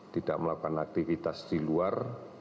tidak melakukan aktivitas di luar